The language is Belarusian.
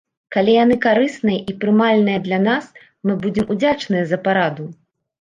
Калі яны карысныя і прымальныя для нас, мы будзем удзячныя за параду.